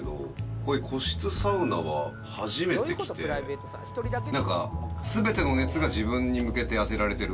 こういう個室サウナは初めて来てなんか全ての熱が自分に向けて当てられてる